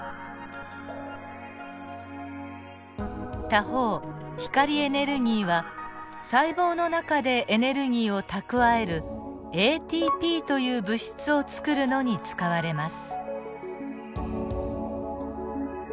他方光エネルギーは細胞の中でエネルギーを蓄えるＡＴＰという物質をつくるのに使われます。